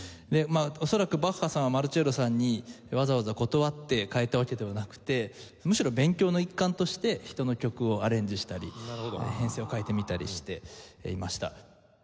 おそらくバッハさんはマルチェッロさんにわざわざ断って変えたわけではなくてむしろ勉強の一環として人の曲をアレンジしたり編成を変えてみたりしていました。